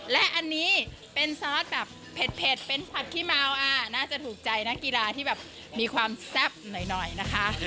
และอันนี้เป็นซอสแบบเผ็ดเป็นผัดขี้เมาน่าจะถูกใจนักกีฬาที่แบบมีความแซ่บหน่อยนะคะ